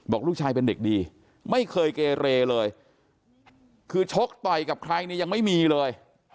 ลูกชายเป็นเด็กดีไม่เคยเกเรเลยคือชกต่อยกับใครเนี่ยยังไม่มีเลย